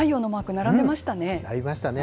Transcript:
並んでましたね。